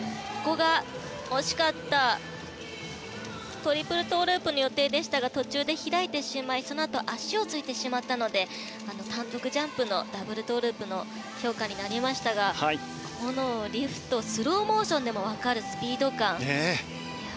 惜しかったトリプルトウループの予定でしたが途中で開いてしまいそのあと足をついてしまったので単独ジャンプのダブルトウループの評価になりましたがこのリフトスローモーションでも分かるスピード感。